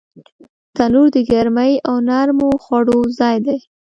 تنور د ګرمۍ او نرمو خوړو ځای دی